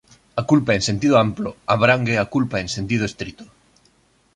A culpa en sentido amplo abrangue a culpa en sentido estrito.